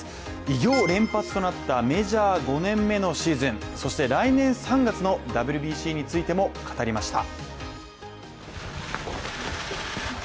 偉業連発となったメジャー５年目のシーズンそして来年３月のＷＢＣについても語りました。